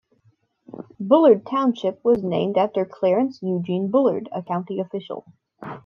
Bullard Township was named after Clarence Eugene Bullard, a county official.